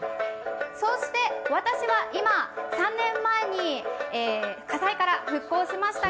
そして、私は今、３年前に火災から復興しました、